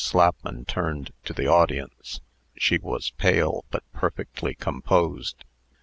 Slapman turned to the audience. She was pale, but perfectly composed.